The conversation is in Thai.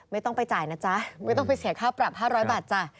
ไม่ต้องไปจ่ายนะจ๊ะไม่ต้องไปเสียค่าปรับ๕๐๐บาทจ้ะ